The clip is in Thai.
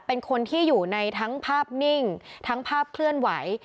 เป็นคนที่อยู่ในทั้งภาพนิ่งทั้งภาพเคลื่อนไหว